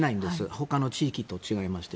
ほかの地域と違いまして。